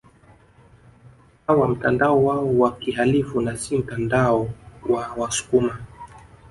Hawa mtandao wao wa kihalifu na si mtandao wa wasukuma